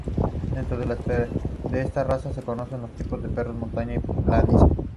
Dentro de esta raza se conocen dos tipos de perros: Montaña y Planicie.